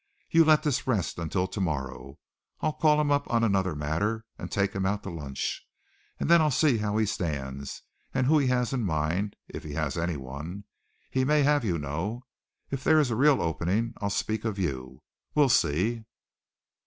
You let this rest until tomorrow. I'll call him up on another matter and take him out to lunch, and then I'll see how he stands and who he has in mind, if he has anyone. He may have, you know. If there is a real opening I'll speak of you. We'll see."